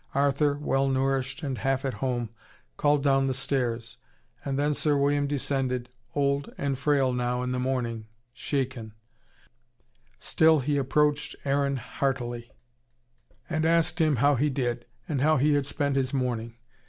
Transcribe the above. Arthur, well nourished and half at home, called down the stairs. And then Sir William descended, old and frail now in the morning, shaken: still he approached Aaron heartily, and asked him how he did, and how he had spent his morning.